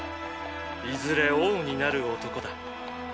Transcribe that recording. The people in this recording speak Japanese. いずれ王になる男だ！！